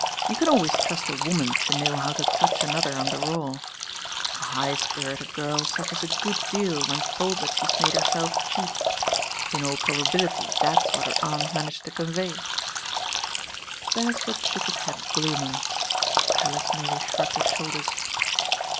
You can always trust a woman to know how to touch another on K "^ A,h»«h »Pirited girl suffers a good deal when told that she's made herself cheap. In aU probabihty that', what her aunt managed to con Beresford shook his head gloomily. TaUis merely shrugged his shoulders.